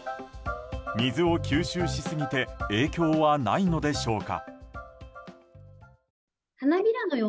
水を吸収しすぎて影響はないのでしょうか。